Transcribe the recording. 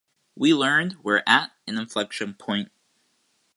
We learned we're at an inflection point.